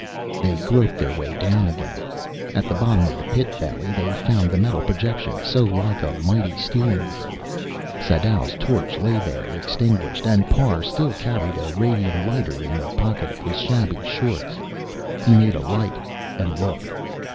They groped their way down again. At the bottom of the pit valley they found the metal projection, so like a mighty steering wheel. Sadau's torch lay there, extinguished, and Parr still carried a radium lighter in the pocket of his shabby shorts. He made a light, and looked.